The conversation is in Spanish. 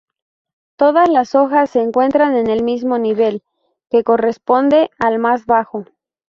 Todas las hojas se encuentran en el mismo nivel, que corresponde al más bajo.